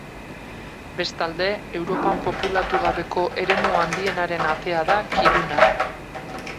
Bestalde Europan populatu gabeko eremu handienaren atea da Kiruna.